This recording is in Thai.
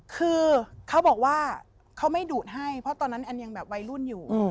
คือเขาบอกว่าเขาไม่ดูดให้เพราะตอนนั้นแอนยังแบบวัยรุ่นอยู่